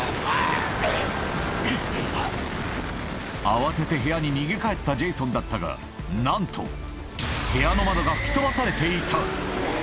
慌てて部屋に逃げ帰ったジェイソンだったがなんと部屋の窓が吹き飛ばされていた